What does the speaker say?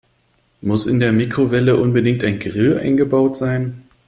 Muss in der Mikrowelle unbedingt ein Grill eingebaut sein?